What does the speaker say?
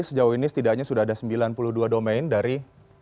sejauh ini setidaknya sudah ada sembilan puluh dua domain dari